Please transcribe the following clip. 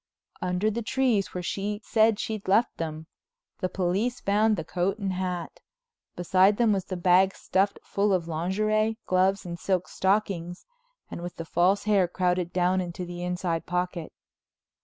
Under the trees where she said she'd left them, the police found the coat and hat. Beside them was the bag stuffed full of lingerie, gloves and silk stockings, and with the false hair crowded down into the inside pocket.